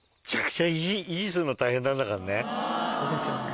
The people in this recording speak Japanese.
そうですよね。